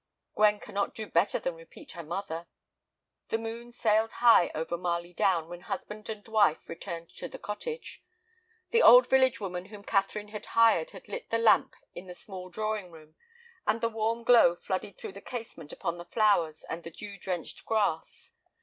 "Gwen cannot do better than repeat her mother." The moon sailed high over Marley Down when husband and wife returned to the cottage. The old village woman whom Catherine had hired had lit the lamp in the small drawing room, and the warm glow flooded through the casement upon the flowers and the dew drenched grass.